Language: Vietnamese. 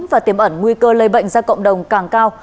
và tiềm ẩn nguy cơ lây bệnh ra cộng đồng càng cao